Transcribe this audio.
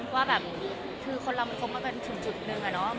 ว่าแบบคือคนเรามันคบมาจนถึงจุดหนึ่งอะเนาะ